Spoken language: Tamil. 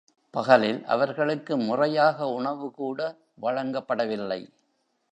பகலில் அவர்களுக்கு முறையாக உணவு கூட வழங்கப்படவில்லை.